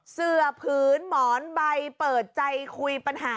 เสือผืนหมอนใบเปิดใจคุยปัญหา